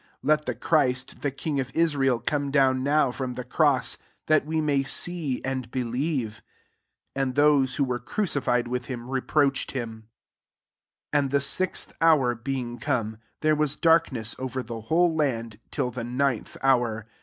32 Let the Christ, the king of Israel, come down now horn the cross, that we may see and believe." And those who Mrere crucified with biiu reproacbed him. 33 And the sixth hour being come, there was darkness over the whole land, till the ninth hour.